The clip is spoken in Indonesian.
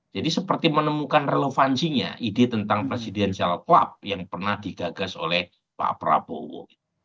jadi seperti menemukan relevansinya ide tentang presidencial club yang pernah digagas oleh pak prabowo